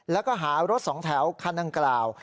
แล้วก็หารถสองแถวคันดังกล่าว